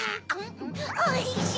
おいしい！